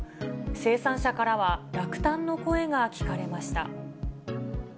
生産者からは落胆の声が聞かれました。